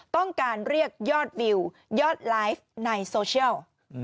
ต้องการเรียกยอดวิวยอดไลฟ์ในโซเชียล